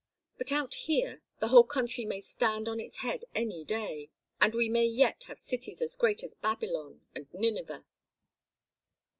But out here the whole country may stand on its head any day; and we may yet have cities as great as Babylon and Nineveh."